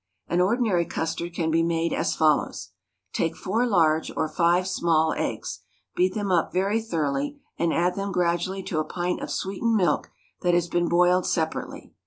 An ordinary custard can be made as follows: Take four large or five small eggs, beat them up very thoroughly, and add them gradually to a pint of sweetened milk that has been boiled separately.